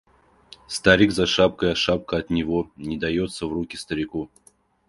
Старик за шапкой, а шапка от него, не дается в руки старику.